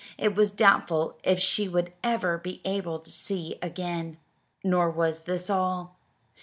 It was doubtful if she would ever be able to see again. Nor was this all.